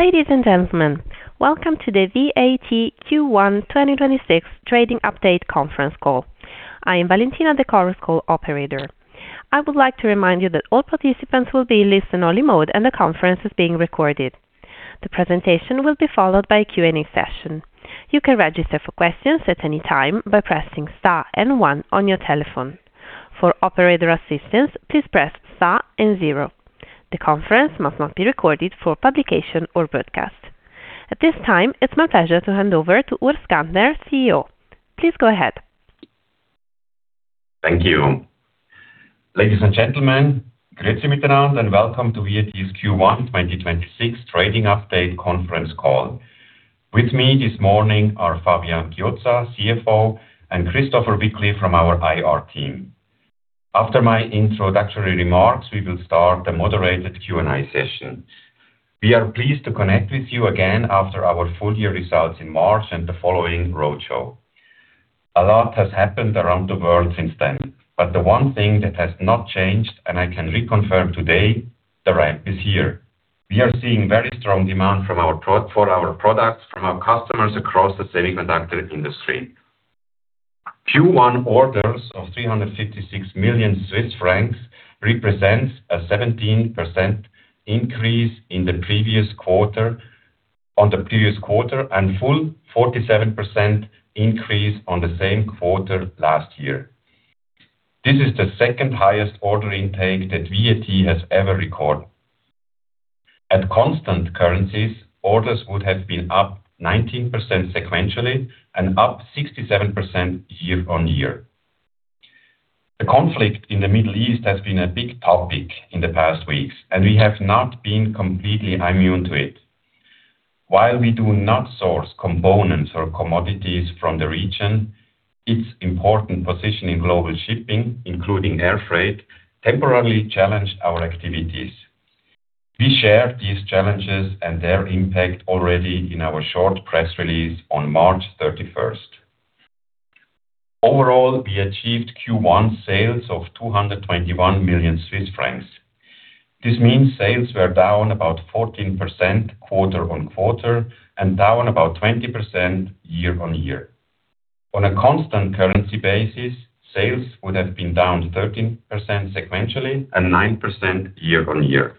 Ladies and gentlemen, welcome to the VAT Q1 2026 Trading Update Conference Call. I am Valentina, the conference call operator. I would like to remind you that all participants will be in listen-only mode and the conference is being recorded. The presentation will be followed by a Q&A session. You can register for questions at any time by pressing star and one on your telephone. For operator assistance, please press star and zero. The conference must not be recorded for publication or broadcast. At this time, it's my pleasure to hand over to Urs Gantner, CEO. Please go ahead. Thank you. Ladies and gentlemen, welcome to VAT's Q1 2026 Trading Update Conference Call. With me this morning are Fabian Chiozza, CFO, and Christopher Wickli from our IR team. After my introductory remarks, we will start the moderated Q&A session. We are pleased to connect with you again after our full-year results in March and the following roadshow. A lot has happened around the world since then, but the one thing that has not changed, and I can reconfirm today, the ramp is here. We are seeing very strong demand for our products from our customers across the semiconductor industry. Q1 orders of 356 million Swiss francs represents a 17% increase on the previous quarter, and full 47% increase on the same quarter last year. This is the second highest order intake that VAT has ever recorded. At constant currencies, orders would have been up 19% sequentially and up 67% year-on-year. The conflict in the Middle East has been a big topic in the past weeks, and we have not been completely immune to it. While we do not source components or commodities from the region, its important position in global shipping, including air freight, temporarily challenged our activities. We shared these challenges and their impact already in our short press release on March 31st. Overall, we achieved Q1 sales of 221 million Swiss francs. This means sales were down about 14% quarter-on-quarter and down about 20% year-on-year. On a constant currency basis, sales would have been down 13% sequentially and 9% year-on-year.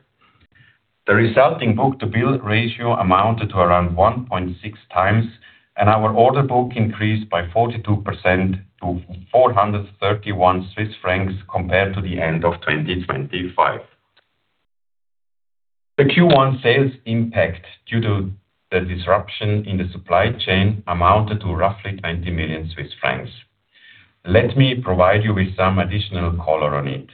The resulting book-to-bill ratio amounted to around 1.6x, and our order book increased by 42% to 431 million Swiss francs compared to the end of 2025. The Q1 sales impact due to the disruption in the supply chain amounted to roughly 20 million Swiss francs. Let me provide you with some additional color on it.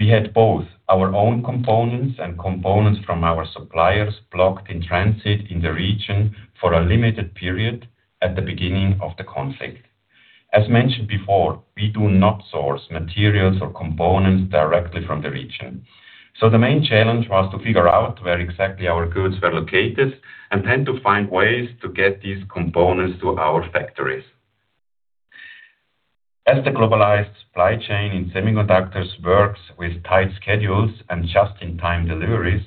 We had both our own components and components from our suppliers blocked in transit in the region for a limited period at the beginning of the conflict. As mentioned before, we do not source materials or components directly from the region. The main challenge was to figure out where exactly our goods were located, and then to find ways to get these components to our factories. As the globalized supply chain in semiconductors works with tight schedules and just-in-time deliveries,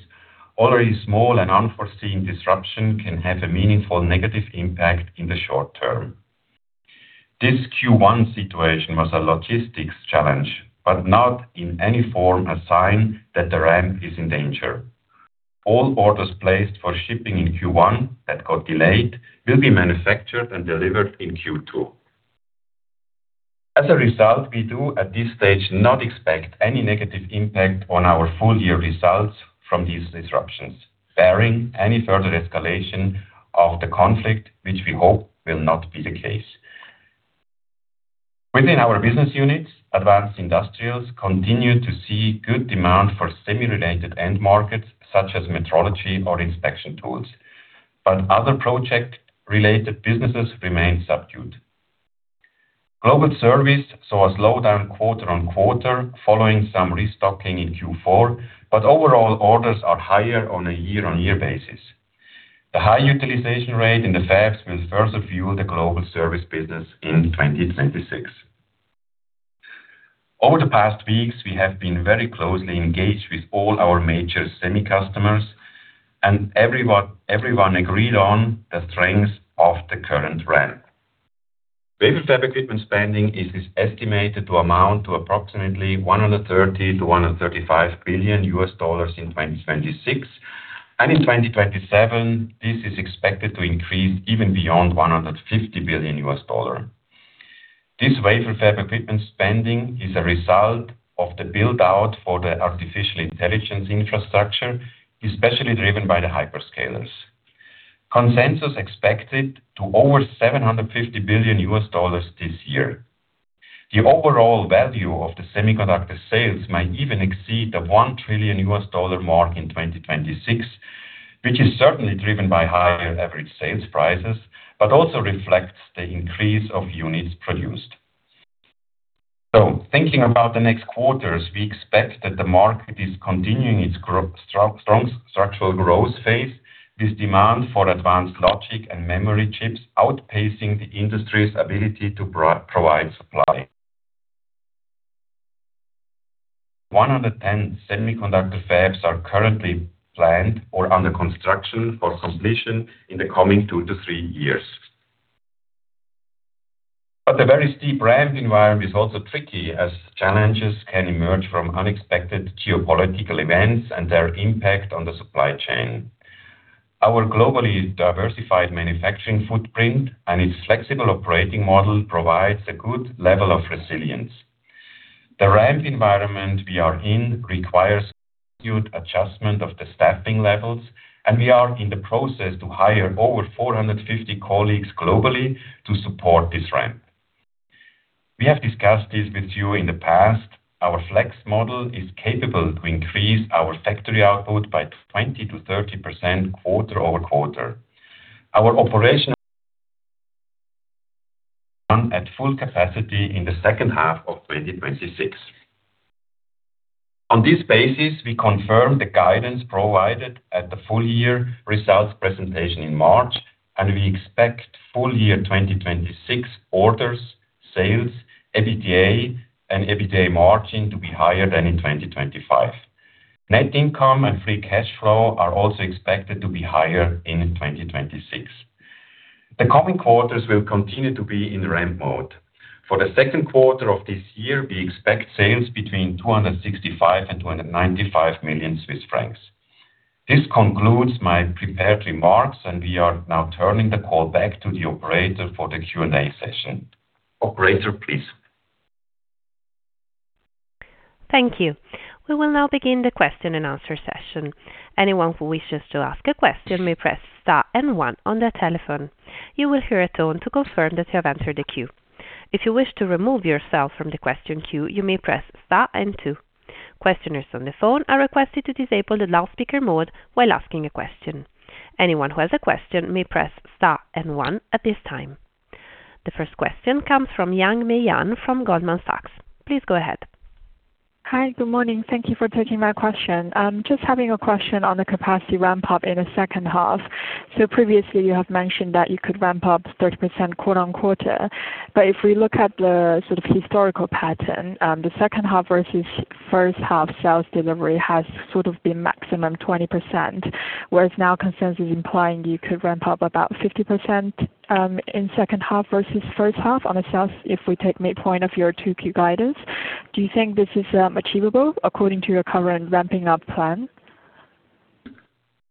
already small and unforeseen disruption can have a meaningful negative impact in the short term. This Q1 situation was a logistics challenge, but not in any form a sign that the ramp is in danger. All orders placed for shipping in Q1 that got delayed will be manufactured and delivered in Q2. As a result, we do, at this stage, not expect any negative impact on our full-year results from these disruptions, barring any further escalation of the conflict, which we hope will not be the case. Within our business units, Advanced Industrials continue to see good demand for semi-related end markets such as metrology or inspection tools, but other project-related businesses remain subdued. Global Service saw a slowdown quarter-over-quarter following some restocking in Q4, but overall orders are higher on a year-on-year basis. The high utilization rate in the fabs will further fuel the Global Service business in 2026. Over the past weeks, we have been very closely engaged with all our major semi customers and everyone agreed on the strength of the current ramp. Wafer fab equipment spending is estimated to amount to approximately $130 billion-$135 billion in 2026, and in 2027, this is expected to increase even beyond $150 billion. This wafer fab equipment spending is a result of the build-out for the artificial intelligence infrastructure, especially driven by the hyperscalers. Consensus expected to over $750 billion this year. The overall value of the semiconductor sales might even exceed the $1 trillion mark in 2026, which is certainly driven by higher average sales prices, but also reflects the increase of units produced. Thinking about the next quarters, we expect that the market is continuing its strong structural growth phase, with demand for advanced logic and memory chips outpacing the industry's ability to provide supply. 110 semiconductor fabs are currently planned or under construction for completion in the coming two to three years. The very steep ramp environment is also tricky, as challenges can emerge from unexpected geopolitical events and their impact on the supply chain. Our globally diversified manufacturing footprint and its flexible operating model provides a good level of resilience. The ramp environment we are in requires acute adjustment of the staffing levels, and we are in the process to hire over 450 colleagues globally to support this ramp. We have discussed this with you in the past. Our flex model is capable to increase our factory output by 20%-30% quarter-over-quarter. Our operations run at full capacity in the second half of 2026. On this basis, we confirm the guidance provided at the full year results presentation in March, and we expect full year 2026 orders, sales, EBITDA, and EBITDA margin to be higher than in 2025. Net income and free cash flow are also expected to be higher in 2026. The coming quarters will continue to be in ramp mode. For the second quarter of this year, we expect sales between 265 million-295 million Swiss francs. This concludes my prepared remarks, and we are now turning the call back to the operator for the Q&A session. Operator, please. Thank you. We will now begin the question and answer session. Anyone who wishes to ask a question may press star and one on their telephone. You will hear a tone to confirm that you have entered the queue. If you wish to remove yourself from the question queue, you may press star and two. Questioners on the phone are requested to disable the loudspeaker mode while asking a question. Anyone who has a question may press star and one at this time. The first question comes from Meihan Yang from Goldman Sachs. Please go ahead. Hi. Good morning. Thank you for taking my question. Just having a question on the capacity ramp-up in the second half. Previously, you have mentioned that you could ramp up 30% quarter on quarter. If we look at the sort of historical pattern, the second half versus first half sales delivery has sort of been maximum 20%, whereas now consensus is implying you could ramp up about 50% in second half versus first half on the sales if we take midpoint of your 2Q guidance. Do you think this is achievable according to your current ramping up plan?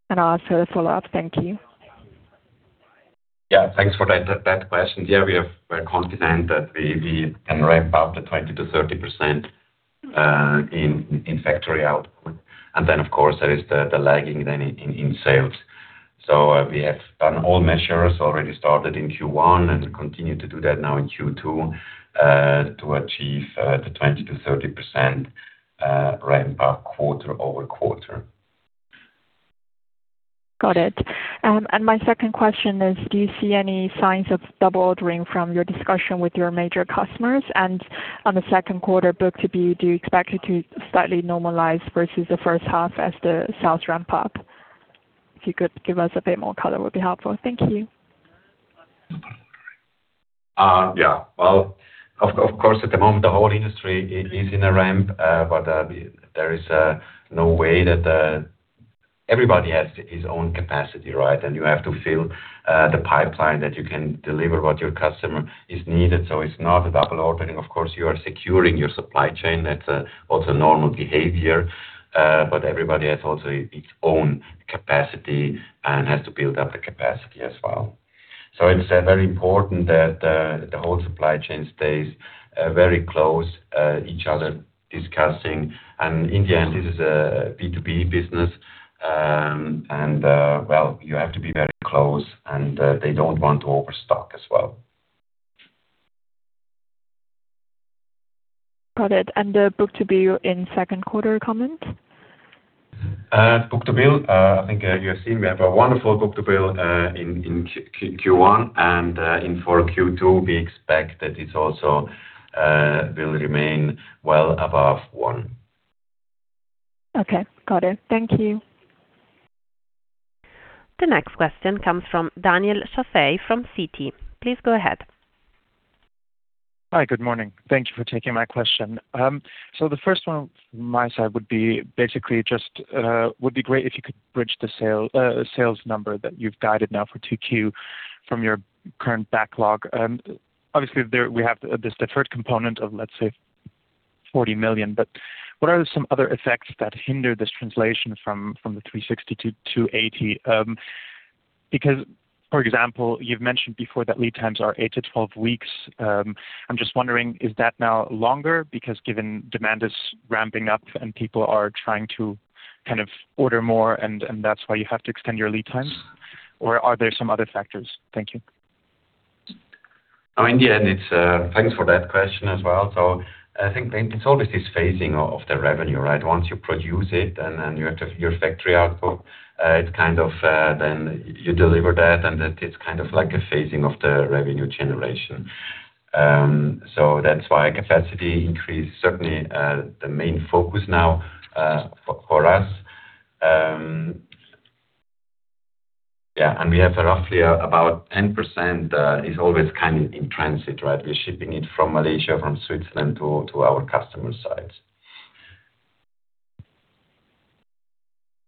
I'll ask a follow-up. Thank you. Yeah, thanks for that question. Yeah, we are confident that we can ramp up to 20%-30% in factory output. Of course, there is the lagging, then in sales. We have done all measures already started in Q1 and continue to do that now in Q2 to achieve the 20%-30% ramp-up quarter-over-quarter. Got it. My second question is, do you see any signs of double ordering from your discussion with your major customers? On the second quarter book-to-bill, do you expect it to slightly normalize versus the first half as the sales ramp up? If you could give us a bit more color, would be helpful. Thank you. Yeah. Well, of course, at the moment, the whole industry is in a ramp. Everybody has his own capacity, right? You have to fill the pipeline that you can deliver what your customer needs. It's not a double ordering. Of course, you are securing your supply chain. That's also normal behavior. Everybody has also its own capacity and has to build up the capacity as well. It's very important that the whole supply chain stays very close, each other discussing. In the end, this is a B2B business, and, well, you have to be very close, and they don't want to overstock as well. Got it. The book-to-bill in second quarter comment? Book-to-bill, I think you have seen we have a wonderful book-to-bill in Q1 and for Q2, we expect that it also will remain well above one. Okay. Got it. Thank you. The next question comes from Daniel Schafei from Citi. Please go ahead. Hi. Good morning. Thank you for taking my question. The first one from my side would be great if you could bridge the sales number that you've guided now for 2Q from your current backlog. Obviously, we have this deferred component of, let's say, 40 million. What are some other effects that hinder this translation from 360 million to 280 million? Because, for example, you've mentioned before that lead times are 8-12 weeks. I'm just wondering, is that now longer? Because given demand is ramping up and people are trying to order more, and that's why you have to extend your lead times, or are there some other factors? Thank you. Thanks for that question as well. I think it's always this phasing of the revenue, right? Once you produce it and then you have your factory output, then you deliver that, and that is kind of like a phasing of the revenue generation. That's why capacity increase certainly the main focus now for us. Yeah, and we have roughly about 10% is always kind of in transit. We're shipping it from Malaysia, from Switzerland to our customer sites.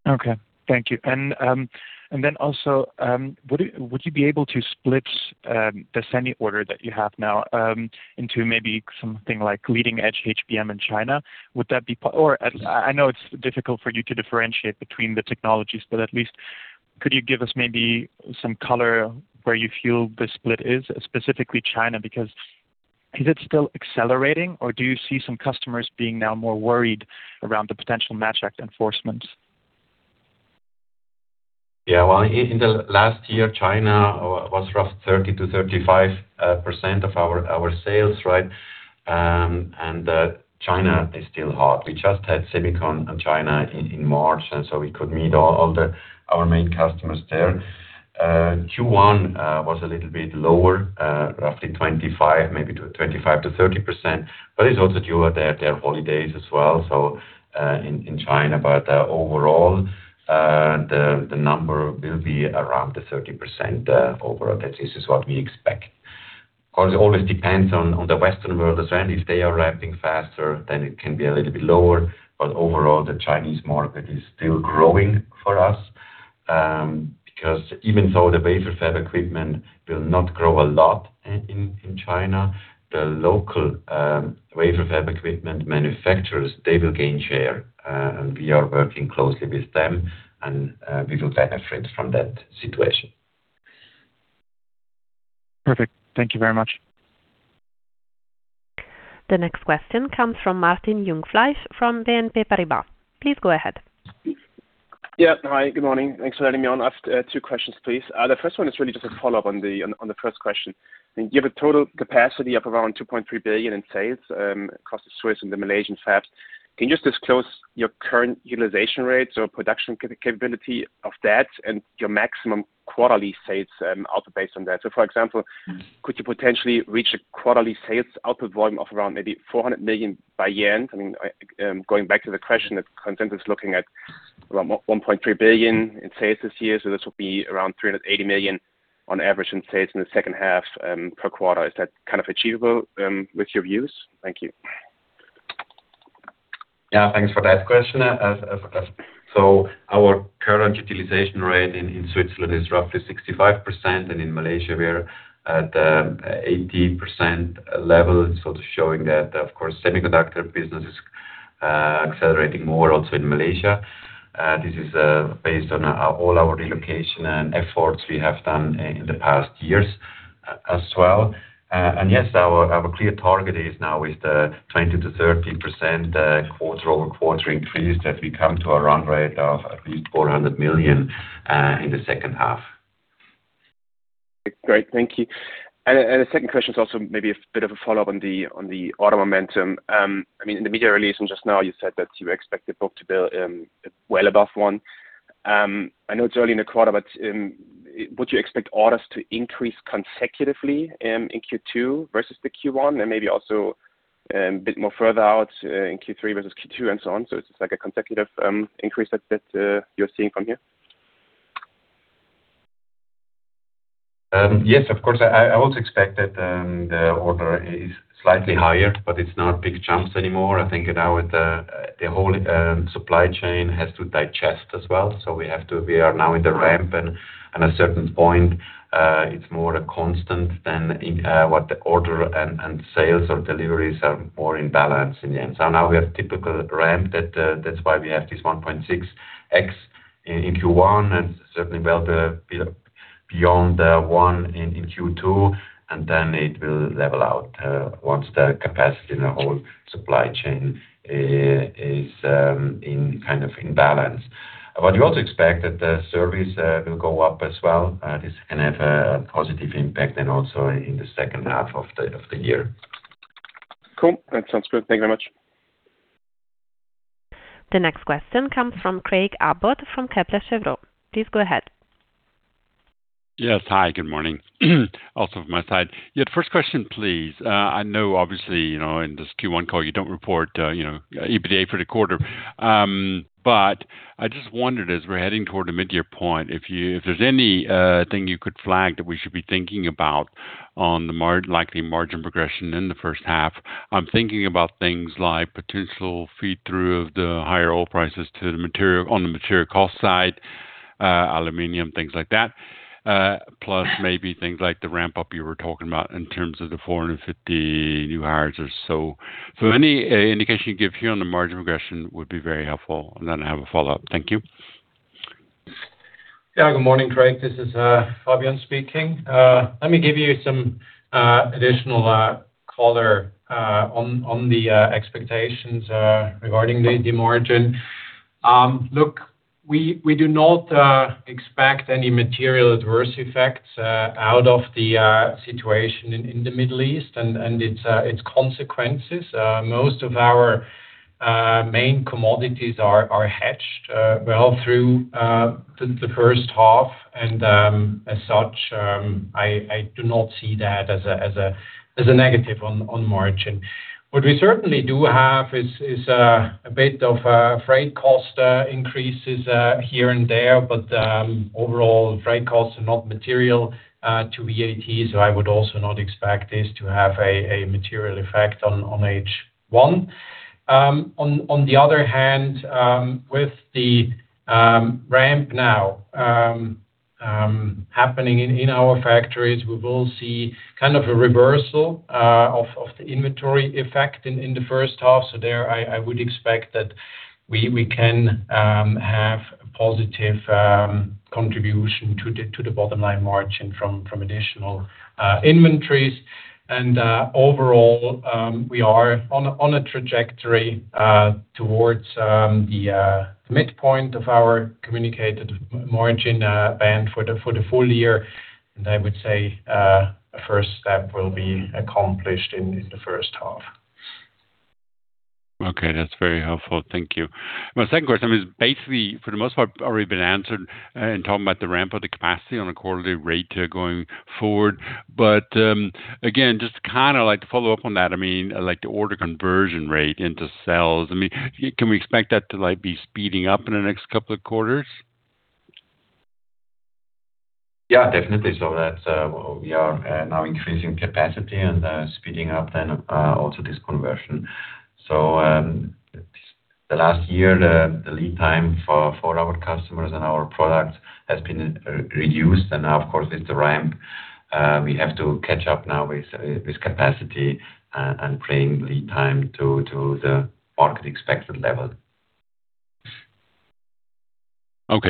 Okay, thank you. Would you be able to split the semi order that you have now into maybe something like leading-edge HBM in China? I know it's difficult for you to differentiate between the technologies, but at least could you give us maybe some color where you feel the split is, specifically China, because is it still accelerating, or do you see some customers being now more worried around the potential CHIPS Act enforcement? Yeah. Well, in the last year, China was roughly 30%-35% of our sales. China is still hot. We just had SEMICON China in March, and so we could meet all our main customers there. Q1 was a little bit lower, roughly 25%, maybe 25%-30%, but it's also due to their holidays as well in China. Overall, the number will be around the 30% overall. This is what we expect. Of course, it always depends on the Western world as well. If they are ramping faster, then it can be a little bit lower. Overall, the Chinese market is still growing for us, because even though the wafer fab equipment will not grow a lot in China, the local wafer fab equipment manufacturers, they will gain share. We are working closely with them, and we will benefit from that situation. Perfect. Thank you very much. The next question comes from Martin Jungfleisch from BNP Paribas. Please go ahead. Yeah. Hi, good morning. Thanks for letting me on. I have two questions, please. The first one is really just a follow-up on the first question. You have a total capacity of around 2.3 billion in sales across the Swiss and the Malaysian fabs. Can you just disclose your current utilization rates or production capability of that and your maximum quarterly sales output based on that? So, for example, could you potentially reach a quarterly sales output volume of around maybe 400 million by year-end? Going back to the question that consensus is looking at around 1.3 billion in sales this year. So this will be around 380 million on average in sales in the second half per quarter. Is that kind of achievable with your views? Thank you. Yeah, thanks for that question. Our current utilization rate in Switzerland is roughly 65%, and in Malaysia, we're at the 80% level. Sort of showing that, of course, semiconductor business is accelerating more also in Malaysia. This is based on all our relocation and efforts we have done in the past years as well. Yes, our clear target now is the 20%-30% quarter-over-quarter increase, that we come to a run rate of at least 400 million in the second half. Great, thank you. The second question is also maybe a bit of a follow-up on the order momentum. In the media release and just now, you said that you expect the book-to-bill well above one. I know it's early in the quarter, but would you expect orders to increase consecutively in Q2 versus the Q1 and maybe also a bit more further out in Q3 versus Q2 and so on? It's just like a consecutive increase that you're seeing from here. Yes, of course. I also expect that the order is slightly higher, but it's not big jumps anymore. I think now the whole supply chain has to digest as well. We are now in the ramp, and a certain point, it's more a constant than what the order and sales or deliveries are more in balance in the end. Now we have typical ramp. That's why we have this 1.6x in Q1 and certainly well beyond the one in Q2, and then it will level out once the capacity in the whole supply chain is in balance. You also expect that service will go up as well. This can have a positive impact then also in the second half of the year. Cool, that sounds good. Thank you very much. The next question comes from Craig Abbott from Kepler Cheuvreux. Please go ahead. Yes. Hi, good morning. Also from my side. Yeah. First question, please. I know obviously in this Q1 call, you don't report EBITDA for the quarter. I just wondered, as we're heading toward the mid-year point, if there's anything you could flag that we should be thinking about on the likely margin progression in the first half. I'm thinking about things like potential feed-through of the higher oil prices on the material cost side, aluminum, things like that. Plus maybe things like the ramp up you were talking about in terms of the 450 new hires or so. Any indication you can give here on the margin progression would be very helpful. Then I have a follow-up. Thank you. Yeah. Good morning, Craig. This is Fabian speaking. Let me give you some additional color on the expectations regarding the margin. Look, we do not expect any material adverse effects out of the situation in the Middle East and its consequences. Most of our main commodities are hedged well through the first half, and as such, I do not see that as a negative on margin. What we certainly do have is a bit of freight cost increases here and there, but overall freight costs are not material to VAT, so I would also not expect this to have a material effect on H1. On the other hand, with the ramp now happening in our factories, we will see a reversal of the inventory effect in the first half. There I would expect that we can have a positive contribution to the bottom line margin from additional inventories. Overall, we are on a trajectory towards the midpoint of our communicated margin band for the full year. I would say a first step will be accomplished in the first half. Okay, that's very helpful. Thank you. My second question is basically, for the most part, already been answered in talking about the ramp of the capacity on a quarterly rate going forward. Again, just to follow up on that, I'd like the order conversion rate into sales. Can we expect that to be speeding up in the next couple of quarters? Yeah, definitely. So that we are now increasing capacity and speeding up then also this conversion. The last year, the lead time for our customers and our products has been reduced. Now, of course, with the ramp, we have to catch up now with capacity and bring lead time to the market expected level.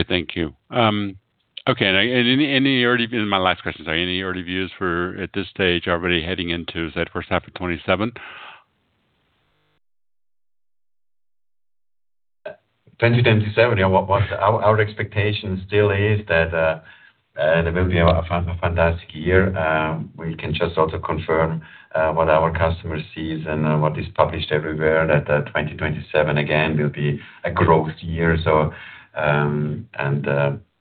Thank you. This is my last question. Sorry. Any early views at this stage already heading into the first half of 2027? 2027, our expectation still is that it will be a fantastic year. We can just also confirm what our customer sees and what is published everywhere, that 2027 again will be a growth year.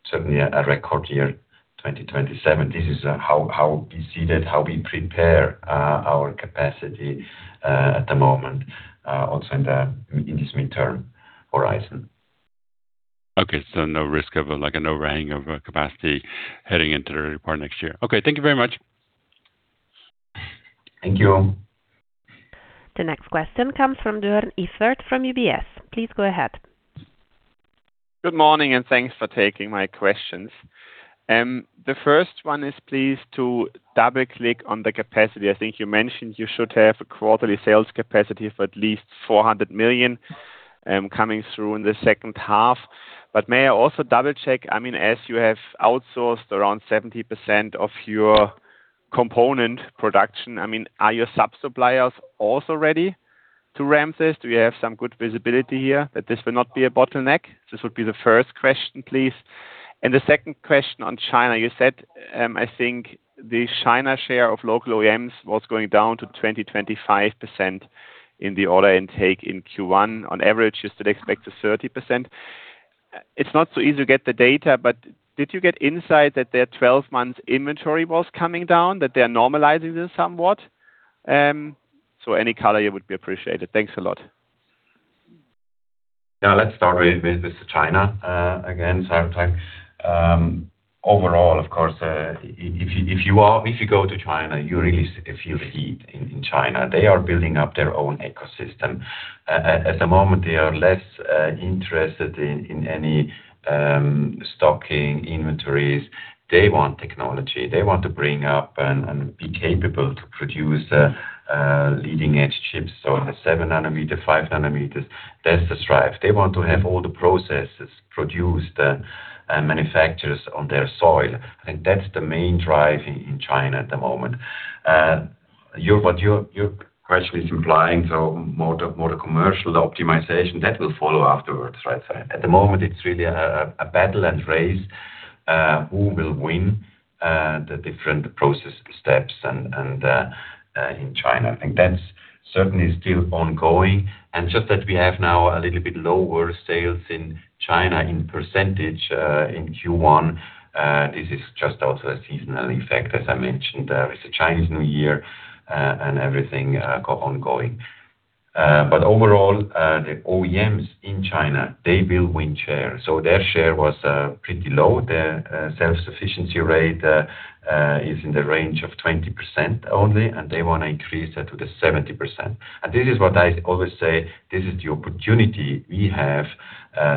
Certainly a record year, 2027. This is how we see that, how we prepare our capacity at the moment, also in this midterm horizon. Okay. No risk of an overhang of capacity heading into the report next year. Okay, thank you very much. Thank you. The next question comes from Jörn Iffert from UBS. Please go ahead. Good morning, and thanks for taking my questions. The first one is please to double-click on the capacity. I think you mentioned you should have a quarterly sales capacity of at least 400 million coming through in the second half. May I also double-check, as you have outsourced around 70% of your component production, are your sub-suppliers also ready to ramp this? Do you have some good visibility here that this will not be a bottleneck? This would be the first question, please. The second question on China. You said, I think the China share of local OEMs was going down to 20%-25% in the order intake in Q1. On average, you still expect to 30%. It's not so easy to get the data, but did you get insight that their 12-month inventory was coming down? That they're normalizing this somewhat? Any color here would be appreciated. Thanks a lot. Yeah, let's start with China again. I would say, overall, of course, if you go to China, you really feel the heat in China. They are building up their own ecosystem. At the moment, they are less interested in any stocking inventories. They want technology. They want to bring up and be capable to produce leading-edge chips. At the 7 nm, 5 nm, that's the strive. They want to have all the processes produced and manufacturers on their soil. I think that's the main drive in China at the moment. What your question is implying, so more the commercial optimization, that will follow afterwards. Right? At the moment, it's really a battle and race, who will win the different process steps and in China. I think that's certainly still ongoing, and just that we have now a little bit lower sales in China in percentage, in Q1. This is just also a seasonal effect, as I mentioned. There is a Chinese New Year, and everything ongoing. Overall, the OEMs in China, they will win share. Their share was pretty low. Their self-sufficiency rate is in the range of 20% only, and they want to increase that to the 70%. This is what I always say, this is the opportunity we have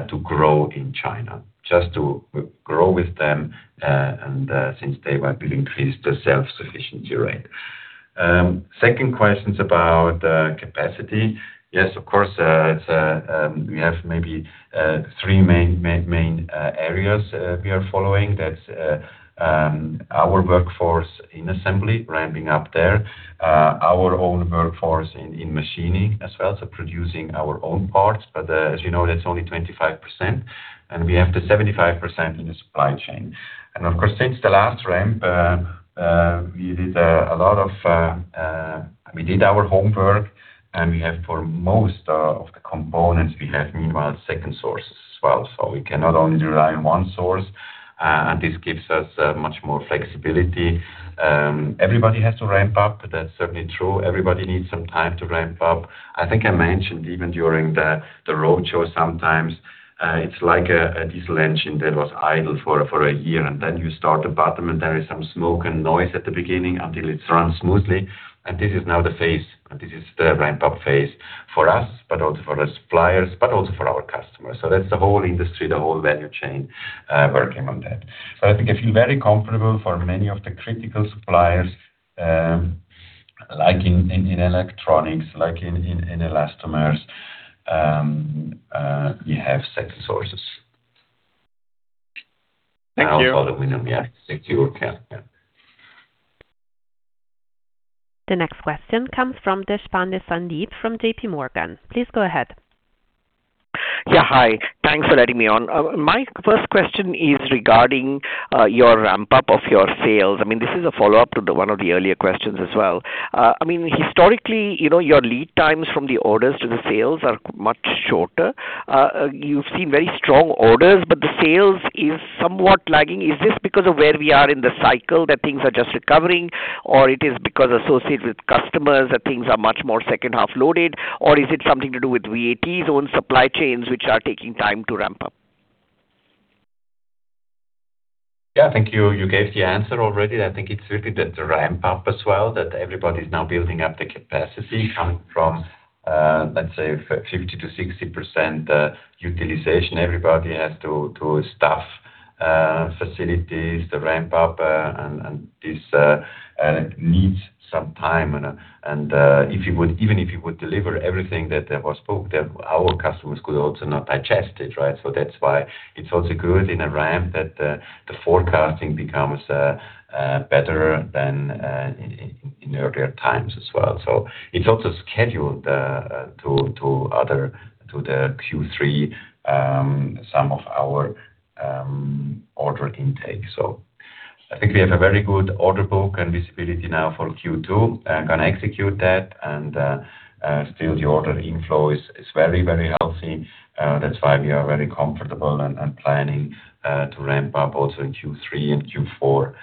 to grow in China. Just to grow with them, and since they want to increase the self-sufficiency rate. Second question is about capacity. Yes, of course, we have maybe three main areas we are following. That's our workforce in assembly, ramping up there. Our own workforce in machining as well, so producing our own parts. As you know, that's only 25%, and we have the 75% in the supply chain. Of course, since the last ramp, we did our homework, and we have for most of the components, we have meanwhile second sources as well. We cannot only rely on one source. This gives us much more flexibility. Everybody has to ramp up. That's certainly true. Everybody needs some time to ramp up. I think I mentioned even during the roadshow, sometimes it's like a diesel engine that was idle for a year, and then you start the engine and there is some smoke and noise at the beginning until it runs smoothly. This is now the phase, and this is the ramp-up phase for us, but also for our suppliers, but also for our customers. That's the whole industry, the whole value chain, working on that. I think I feel very comfortable for many of the critical suppliers, like in electronics, like in elastomers, we have second sources. Thank you. Yes. Thank you. Okay. The next question comes from Sandeep Deshpande from JPMorgan. Please go ahead. Yeah. Hi. Thanks for letting me on. My first question is regarding your ramp-up of your sales. This is a follow-up to one of the earlier questions as well. Historically, your lead times from the orders to the sales are much shorter. You've seen very strong orders, but the sales is somewhat lagging. Is this because of where we are in the cycle, that things are just recovering, or it is because associated with customers, that things are much more second-half loaded? Or is it something to do with VAT's own supply chains which are taking time to ramp up? Yeah, thank you. You gave the answer already. I think it's really that the ramp-up as well, that everybody's now building up the capacity coming from, let's say, 50%-60% utilization. Everybody has to staff facilities to ramp up, and this needs some time. Even if you would deliver everything that was spoken, then our customers could also not digest it, right? That's why it's also good in a ramp that the forecasting becomes better than in earlier times as well. It's also scheduled to the Q3, some of our order intake. I think we have a very good order book and visibility now for Q2. Going to execute that and still the order inflow is very healthy. That's why we are very comfortable and planning to ramp up also in Q3 and Q4.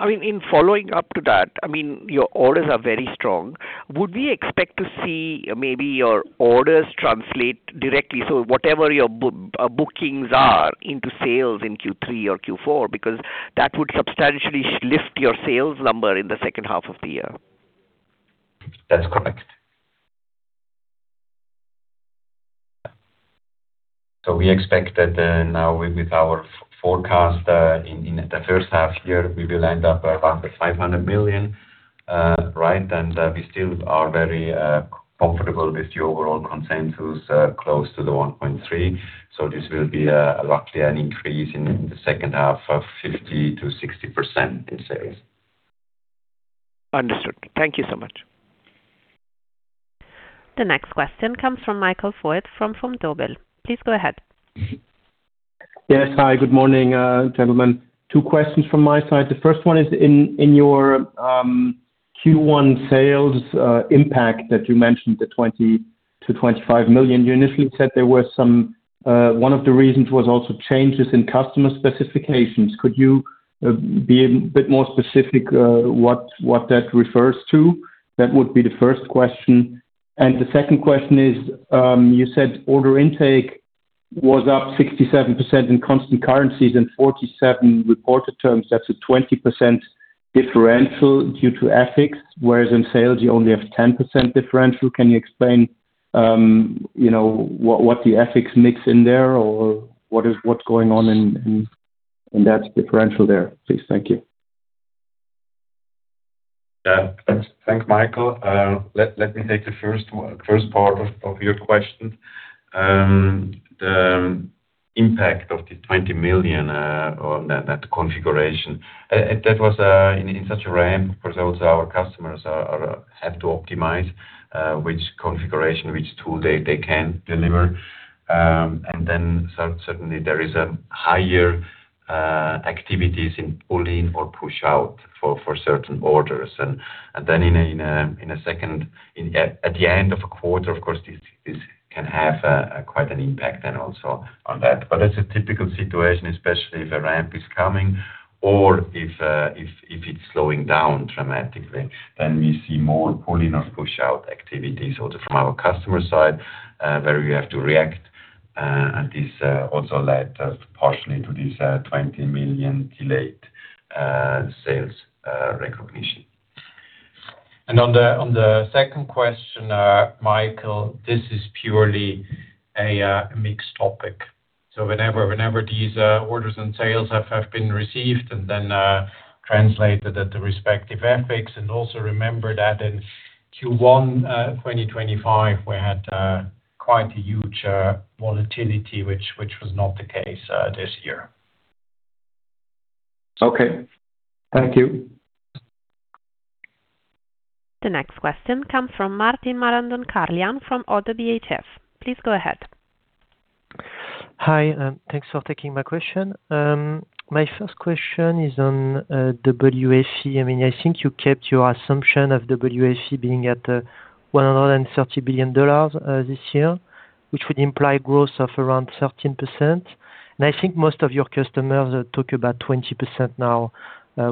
In following up to that, your orders are very strong. Would we expect to see maybe your orders translate directly, so whatever your bookings are into sales in Q3 or Q4? Because that would substantially lift your sales number in the second half of the year. That is correct. We expect that now with our forecast, in the first half year, we will end up above 500 million. We still are very comfortable with the overall consensus, close to 1.3 billion. This will be luckily an increase in the second half of 50%-60% in sales. Understood. Thank you so much. The next question comes from Michael Foeth from Vontobel. Please go ahead. Yes. Hi, good morning, gentlemen. Two questions from my side. The first one is in your Q1 sales impact that you mentioned, the 20 million-25 million, you initially said one of the reasons was also changes in customer specifications. Could you be a bit more specific what that refers to? That would be the first question. The second question is, you said order intake was up 67% in constant currencies and 47% reported terms. That's a 20% differential due to FX, whereas in sales you only have 10% differential. Can you explain what the FX mix in there or what's going on in that differential there, please? Thank you. Thanks, Michael. Let me take the first part of your question. The impact of the 20 million on that configuration was in such a ramp, of course. Also our customers have to optimize which configuration, which tool they can deliver. Then certainly there is higher activity in pull-in or push-out for certain orders. Then at the end of a quarter, of course, this can have quite an impact then also on that. But that's a typical situation, especially if a ramp is coming or if it's slowing down dramatically. Then we see more pull-in or push-out activities also from our customer side, where we have to react. This also led partially to this 20 million delayed sales recognition. On the second question, Michael, this is purely a mixed topic. Whenever these orders and sales have been received and then translated at the respective FX, and also remember that in Q1 2025, we had quite a huge volatility, which was not the case this year. Okay. Thank you. The next question comes from Martin Marandon-Carlhian from ODDO BHF. Please go ahead. Hi, and thanks for taking my question. My first question is on WFE. I think you kept your assumption of WFE being at $130 billion this year, which would imply growth of around 13%. I think most of your customers talk about 20%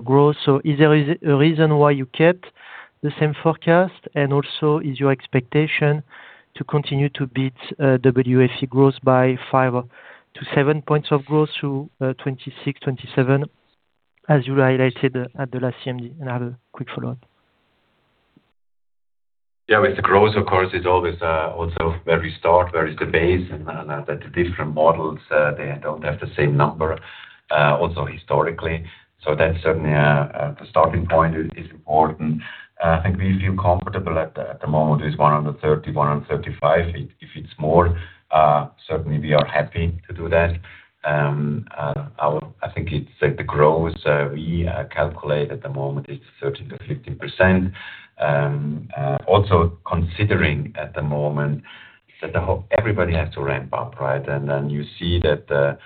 growth now. Is there a reason why you kept the same forecast? Also, is your expectation to continue to beat WFE growth by five to seven points of growth through 2026, 2027, as you highlighted at the last CMD? I have a quick follow-on. Yeah. With the growth, of course, it's always also where we start, where is the base and the different models, they don't have the same number, also historically. That's certainly the starting point is important. I think we feel comfortable at the moment. It's $130 billion-$135 billion. If it's more, certainly we are happy to do that. I think it's like the growth we calculate at the moment is 13%-15%, also considering at the moment that everybody has to ramp up, right? Then you see that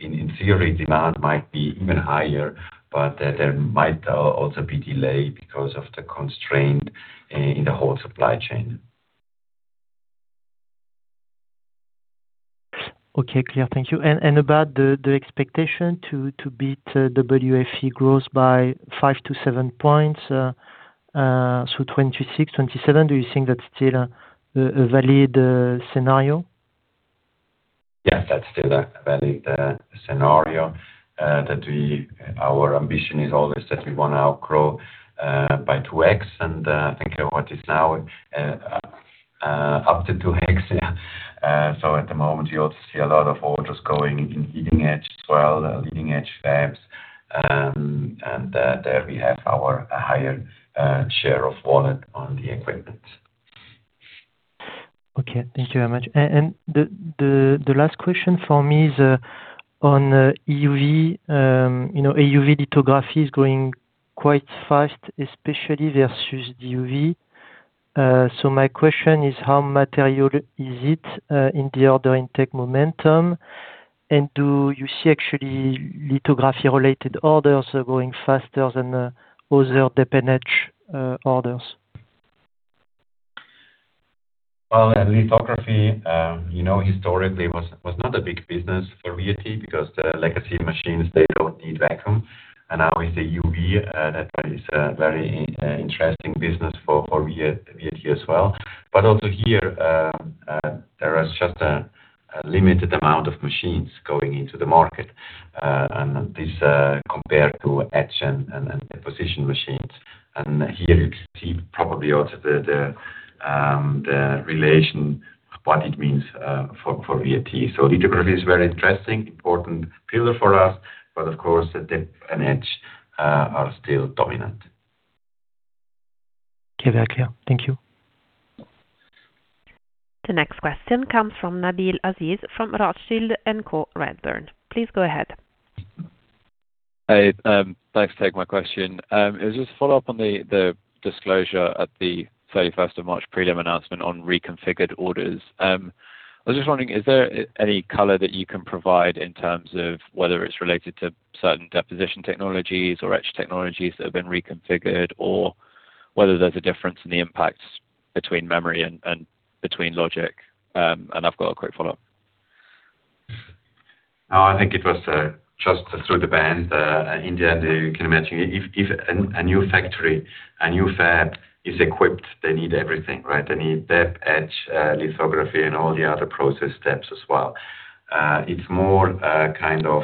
in theory, demand might be even higher, but there might also be delay because of the constraint in the whole supply chain. Okay. Clear. Thank you. About the expectation to beat WFE growth by 5-7 points, so 2026, 2027, do you think that's still a valid scenario? Yeah, that's still a valid scenario. Our ambition is always that we want to outgrow by 2x and I think what is now up to 2x. Yeah. At the moment you also see a lot of orders going in leading edge as well, leading edge fabs, and there we have our higher share of wallet on the equipment. Okay. Thank you very much. The last question from me is on EUV. EUV lithography is growing quite fast, especially versus DUV. My question is how material is it in the order intake momentum, and do you see actually lithography-related orders are going faster than other deposition and etch orders? Well, lithography, historically was not a big business for VAT because the legacy machines, they don't need vacuum. Now with the EUV, that is a very interesting business for VAT as well. Also here, there is just a limited amount of machines going into the market, and this compared to etch and deposition machines. Here you see probably also the relation, what it means for VAT. Lithography is very interesting, important pillar for us, but of course, the deposition and etch are still dominant. Okay. That's clear. Thank you. The next question comes from Nabeel Aziz from Rothschild & Co Redburn. Please go ahead. Hey, thanks for taking my question. It was just follow up on the disclosure at the 31st of March prelim announcement on reconfigured orders. I was just wondering, is there any color that you can provide in terms of whether it's related to certain deposition technologies or etch technologies that have been reconfigured, or whether there's a difference in the impacts between memory and between logic? I've got a quick follow-up. No, I think it was just through the band. In the end, you can imagine if a new factory, a new fab is equipped, they need everything, right? They need deposition, etch, lithography, and all the other process steps as well. It's more kind of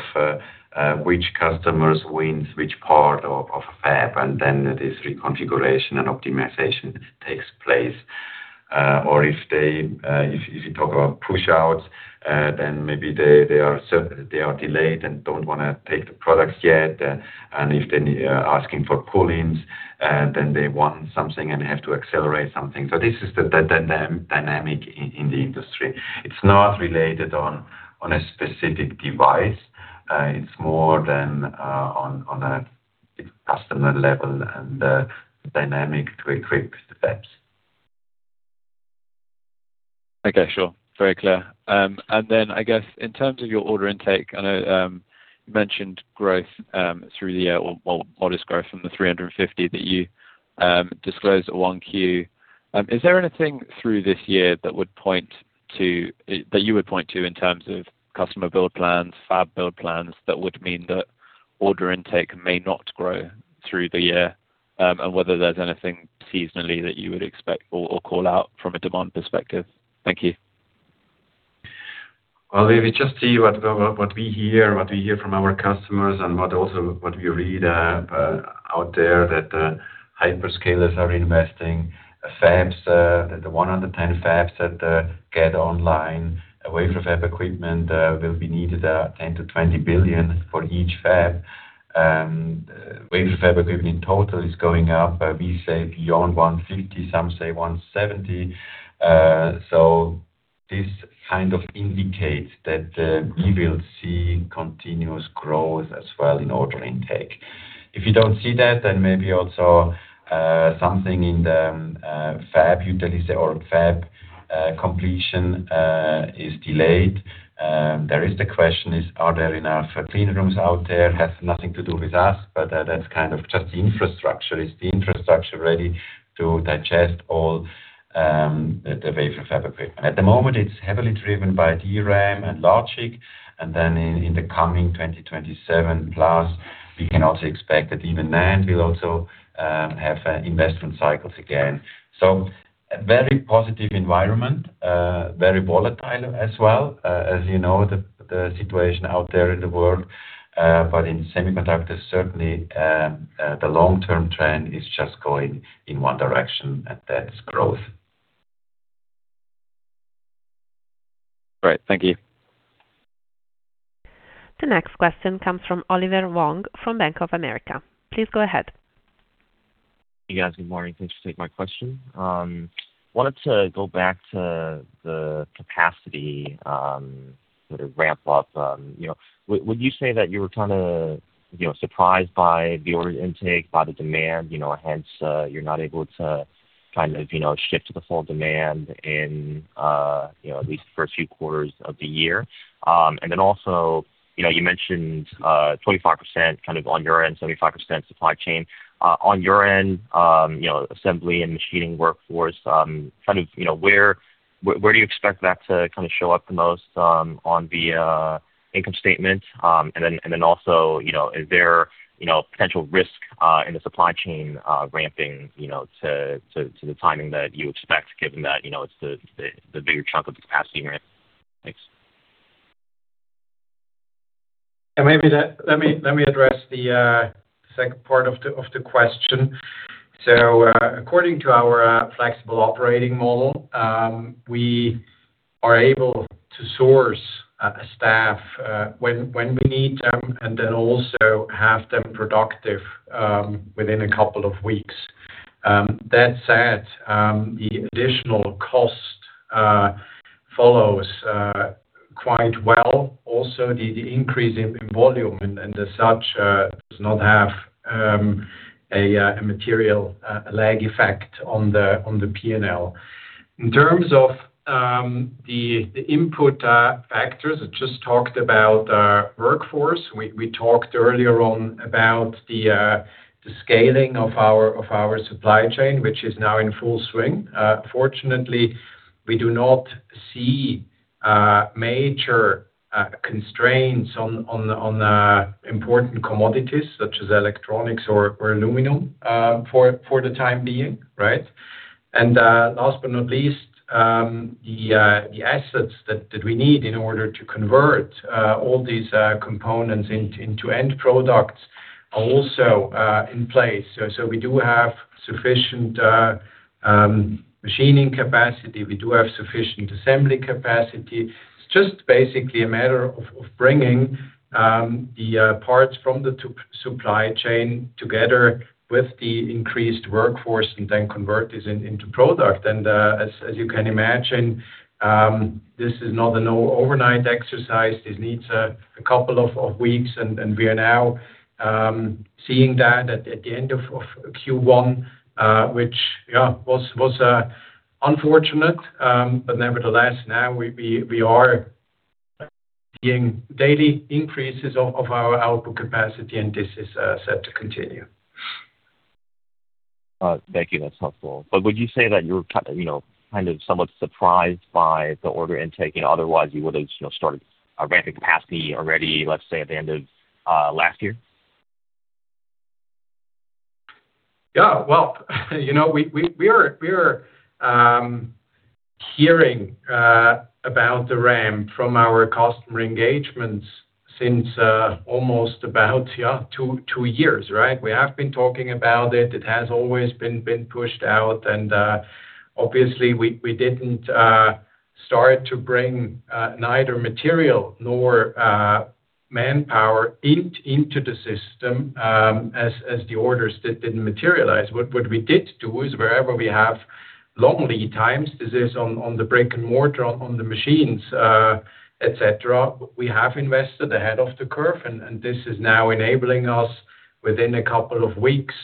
which customers wins which part of a fab, and then this reconfiguration and optimization takes place. If you talk about push-outs, then maybe they are delayed and don't want to take the products yet. If they're asking for pull-ins, then they want something and have to accelerate something. This is the dynamic in the industry. It's not related on a specific device. It's more than on a customer level and the dynamic to equip the fabs. Okay, sure. Very clear. I guess in terms of your order intake, I know you mentioned growth through the year or modest growth from the 350 million that you disclosed at 1Q. Is there anything through this year that you would point to in terms of customer build plans, fab build plans that would mean that order intake may not grow through the year? Whether there's anything seasonally that you would expect or call out from a demand perspective. Thank you. Well, we just see what we hear from our customers and what we read out there, that hyperscalers are investing fabs. The 110 fabs that get online, wafer fab equipment will be needed, $10 billion-$20 billion for each fab. Wafer fab equipment in total is going up, we say, beyond $150 billion, some say $170 billion. This kind of indicates that we will see continuous growth as well in order intake. If you don't see that, then maybe also something in the fab utilization or fab completion is delayed. There is the question, are there enough clean rooms out there? Has nothing to do with us, but that's kind of just the infrastructure. Is the infrastructure ready to digest all the wafer fab equipment? At the moment, it's heavily driven by DRAM and logic, and then in the coming 2027+, we can also expect that even NAND will also have investment cycles again. A very positive environment. Very volatile as well. As you know, the situation out there in the world. In semiconductors, certainly, the long-term trend is just going in one direction, and that is growth. All right. Thank you. The next question comes from Oliver Wong from Bank of America. Please go ahead. Hey, guys. Good morning. Thanks for taking my question. Wanted to go back to the capacity sort of ramp up. Would you say that you were kind of surprised by the order intake, by the demand, hence, you're not able to kind of ship to the full demand in at least the first few quarters of the year? And then also, you mentioned 25% kind of on your end, 75% supply chain. On your end, assembly and machining workforce, where do you expect that to show up the most on the income statement? And then also, is there potential risk in the supply chain ramping to the timing that you expect, given that it's the bigger chunk of the capacity ramp? Thanks. Let me address the second part of the question. According to our flexible operating model, we are able to source staff when we need them and then also have them productive within a couple of weeks. That said, the additional cost follows quite well. Also, the increase in volume and as such, does not have a material lag effect on the P&L. In terms of the input factors, I just talked about workforce. We talked earlier on about the scaling of our supply chain, which is now in full swing. Fortunately, we do not see major constraints on important commodities such as electronics or aluminum for the time being. Right? Last but not least, the assets that we need in order to convert all these components into end products are also in place. We do have sufficient machining capacity. We do have sufficient assembly capacity. It's just basically a matter of bringing the parts from the supply chain together with the increased workforce and then convert this into product. As you can imagine, this is not an overnight exercise. This needs a couple of weeks, and we are now seeing that at the end of Q1, which, yeah, was unfortunate. Nevertheless, now we are seeing daily increases of our output capacity, and this is set to continue. Thank you. That's helpful. Would you say that you're kind of somewhat surprised by the order intake? Otherwise, you would have started ramping capacity already, let's say, at the end of last year? Yeah. Well, we are hearing about the ramp from our customer engagements since almost about two years, right? We have been talking about it. It has always been pushed out, and obviously, we didn't start to bring neither material nor manpower into the system as the orders didn't materialize. What we did do is wherever we have long lead times, this is on the brick and mortar, on the machines, et cetera, et cetera, we have invested ahead of the curve, and this is now enabling us within a couple of weeks,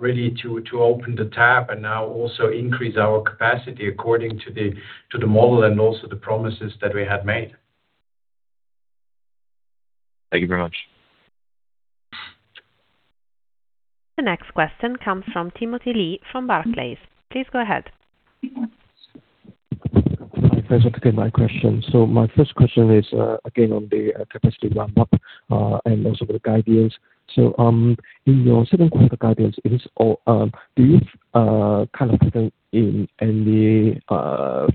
really to open the tap and now also increase our capacity according to the model and also the promises that we had made. Thank you very much. The next question comes from Timothy Lee from Barclays. Please go ahead. Thanks. I'll get my question. My first question is, again, on the capacity ramp up, and also the guidance. In your second quarter guidance, do you kind of factor in any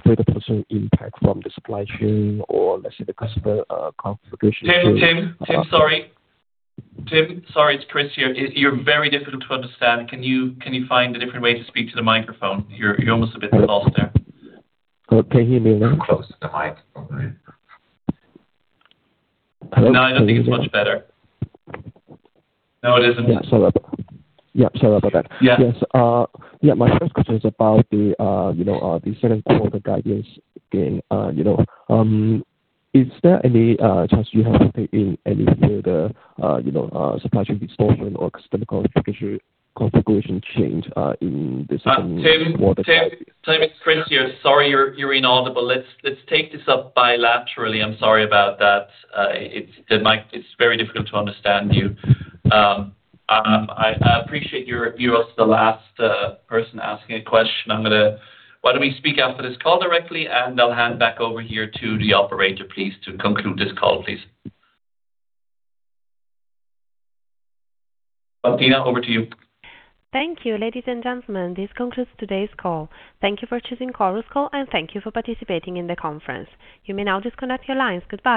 further potential impact from the supply chain or, let's say, the customer configuration? Tim, sorry. It's Chris here. You're very difficult to understand. Can you find a different way to speak to the microphone? You're almost a bit lost there. Can you hear me now? Too close to the mic probably. No, I don't think it's much better. No, it isn't. Yeah. Sorry about that. Yes. My first question is about the second quarter guidance again. Is there any chance you have to take in any further supply chain disruption or customer configuration change in the second quarter? Tim, it's Christopher here. Sorry, you're inaudible. Let's take this up bilaterally. I'm sorry about that. It's very difficult to understand you. I appreciate you're also the last person asking a question. Why don't we speak after this call directly, and I'll hand back over here to the operator, please, to conclude this call, please. Valentina, over to you. Thank you, ladies and gentlemen. This concludes today's call. Thank you for choosing Chorus Call, and thank you for participating in the conference. You may now disconnect your lines. Goodbye.